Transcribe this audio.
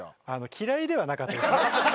嫌いではなかったですね。